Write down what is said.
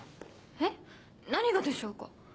えっ？何がでしょうか？